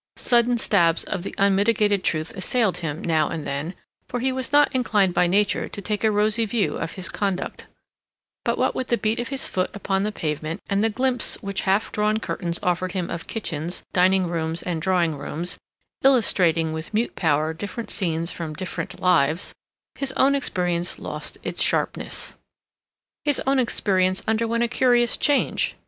Sudden stabs of the unmitigated truth assailed him now and then, for he was not inclined by nature to take a rosy view of his conduct, but what with the beat of his foot upon the pavement, and the glimpse which half drawn curtains offered him of kitchens, dining rooms, and drawing rooms, illustrating with mute power different scenes from different lives, his own experience lost its sharpness. His own experience underwent a curious change.